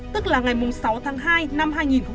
tức là ngày mùng sáu tháng hai năm hai nghìn một mươi chín